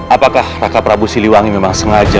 apakah raka prabu siliwangi memang sengaja